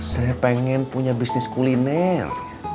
saya pengen punya bisnis kuliner